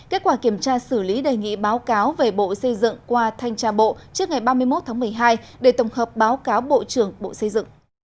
kết quả kiểm tra xử lý đề nghị báo cáo về bộ xây dựng qua thanh tra bộ trước ngày ba mươi một tháng một mươi hai để tổng hợp báo cáo bộ trưởng bộ xây dựng